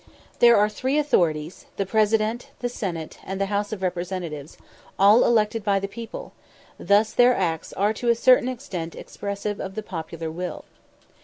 There are three authorities, the President, the Senate, and the House of Representatives, all elected by the people; thus their acts are to a certain extent expressive of the popular will.